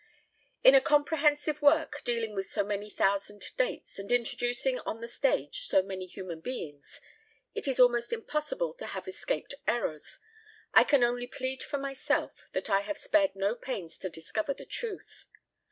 In a comprehensive work, dealing with so many thousand dates, and introducing on the stage so many human beings, it is almost impossible to have escaped errors. I can only plead for myself that I have spared no pains to discover the truth.